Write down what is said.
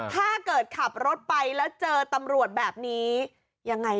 ขับรถไปแล้วเจอตำรวจแบบนี้ยังไง